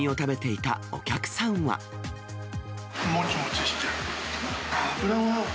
もちもちしてる。